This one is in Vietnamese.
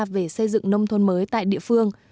về xây dựng nông thôn mới tại địa phương